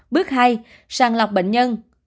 bước hai sàng lọc bệnh nhân